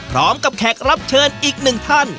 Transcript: พร้อมกับแขกรับเชิญอีกหนึ่งท่าน